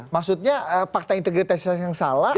maksudnya fakta integritas yang salah